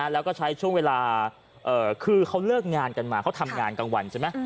แล้วก็ใช้ช่วงเวลาคือเขาเลิกงานกันมาเขาทำงานกลางวันใช่ไหม